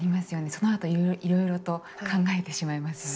そのあといろいろと考えてしまいますよね。